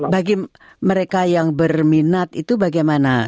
bagi mereka yang berminat itu bagaimana